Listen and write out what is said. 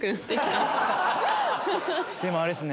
でもあれっすね。